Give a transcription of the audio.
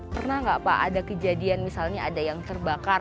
pernah tidak pak ada kejadian misalnya ada yang terbakar